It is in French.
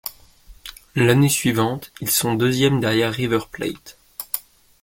L'année suivante, ils sont deuxièmes derrière River Plate.